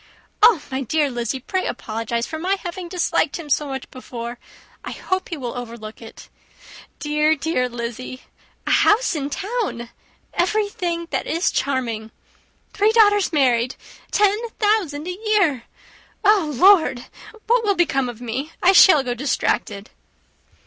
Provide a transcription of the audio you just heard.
Oh, my dear Lizzy! pray apologize for my having disliked him so much before. I hope he will overlook it. Dear, dear Lizzy. A house in town! Everything that is charming! Three daughters married! Ten thousand a year! Oh, Lord! what will become of me? I shall go distracted."